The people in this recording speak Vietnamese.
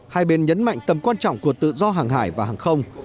hai bên nhấn mạnh tầm quan trọng của tự do hàng hải và hàng không